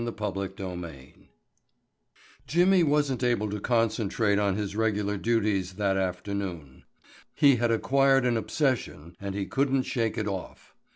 Chapter Nineteen Jimmy wasn't able to concentrate on his regular duties that afternoon. He had acquired an obsession and he couldn't shake it off.